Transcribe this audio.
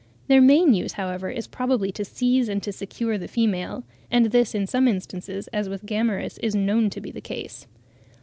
Their main use, however, is probably to seize and to secure the female, and this in some instances, as with Gammarus, is known to be the case.